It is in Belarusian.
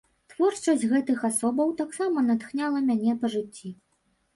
Творчасць гэтых асобаў таксама натхняла мяне па жыцці.